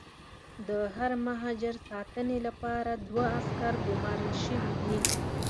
د هر مهاجر ساتنې لپاره دوه عسکر ګومارل شوي دي.